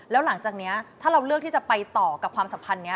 แล้วหลังจากนี้ถ้าเราเลือกที่จะไปต่อกับความสัมพันธ์นี้